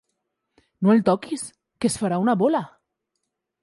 No el toquis, que es farà una bola!